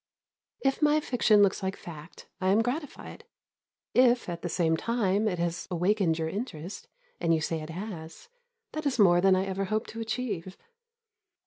If my fiction looks like fact, I am gratified; if, at the same time, it has awakened your interest (and you say it has), that is more than I ever hoped to achieve.